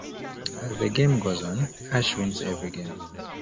As the game goes on, Ash wins every game.